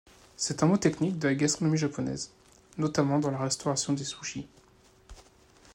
C'est un mot technique de la gastronomie japonaise, notamment dans la restauration des sushis.